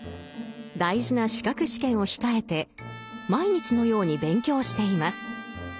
大事な資格試験を控えて毎日のように勉強しています。